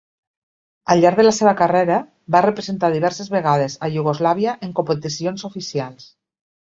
Al llarg de la seva carrera, va representar diverses vegades a Iugoslàvia en competicions oficials.